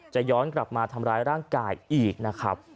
จะย้อนกลับมาทำร้ายร่างกายอีกนะครับ